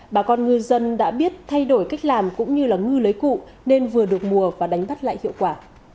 bà con ngư dân đã biết thay đổi cách làm cũng như ngư lưới cụ nên vừa được mùa và đánh bắt lại hiệu quả